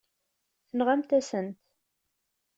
Tenɣamt-asen-t.